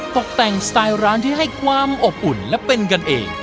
ตกแต่งสไตล์ร้านที่ให้ความอบอุ่นและเป็นกันเอง